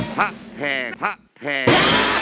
พระแพงพระแพง